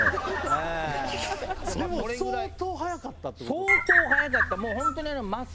相当速かった。